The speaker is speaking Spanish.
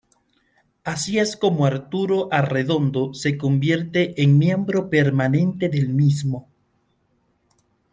Es así como Arturo Arredondo se convierte en miembro permanente del mismo.